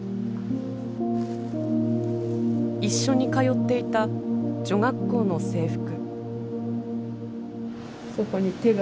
一緒に通っていた女学校の制服。